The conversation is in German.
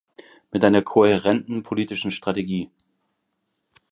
Mit einer kohärenten politischen Strategie.